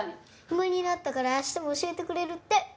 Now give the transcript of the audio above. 暇になったから明日も教えてくれるって！